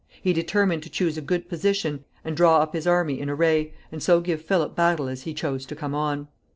He determined to choose a good position, and draw up his army in array, and so give Philip battle if he chose to come on.